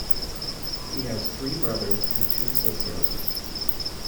He has three brothers and two sisters.